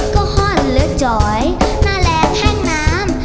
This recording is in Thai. ก็ห้อนเหลือจอยหน้าแรงแท่งน้ำ